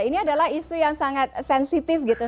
ini adalah isu yang sangat sensitif gitu